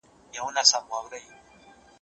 د کرنې نیمایي برخه د څاروي ساتنې تشکیل کوي.